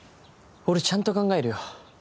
俺ちゃんと考えるよ。